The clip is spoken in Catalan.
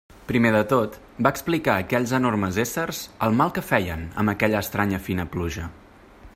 Primer de tot va explicar a aquells enormes éssers el mal que feien amb aquella estranya fina pluja.